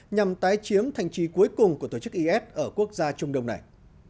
nhằm tái chiếm thành trí cuối cùng của tổ chức is ở quốc gia trung đông này